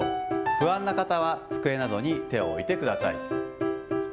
不安な方は机などに手を置いてください。